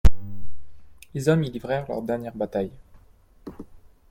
Les hommes y livrèrent leur dernière bataille.